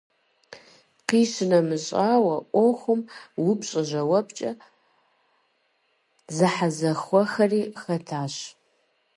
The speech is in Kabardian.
Къищынэмыщӏауэ, ӏуэхум упщӏэ–жэуапкӏэ зэхьэзэхуэхэри хэтащ.